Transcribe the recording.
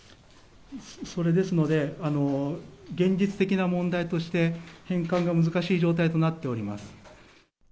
それですので、現実的な問題として、返還が難しい状態となっております。